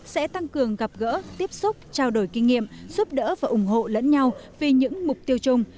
sẽ tăng cường gặp gỡ tiếp xúc trao đổi kinh nghiệm giúp đỡ và ủng hộ lẫn nhau vì những mục tiêu chung